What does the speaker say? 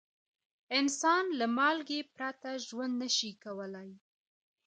انسان له مالګې پرته ژوند نه شي کولای.